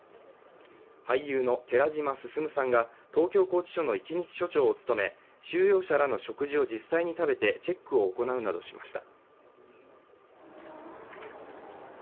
俳優の寺島進さんが東京拘置所の一日所長を務め、収容者らの食事を実際に食べてチェックを行うなどしました。